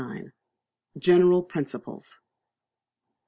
General Principles.